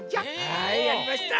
はいやりました！